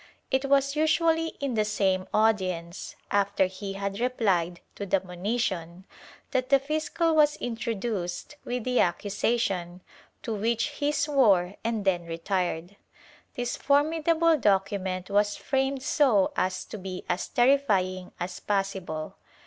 It was usually in the same audience, after he had replied to the monition, that the fiscal was introduced with the accusation, to which he swore and then retired. This formidable document was framed so as to be as terrifying as possible.